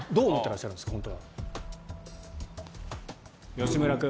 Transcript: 吉村君。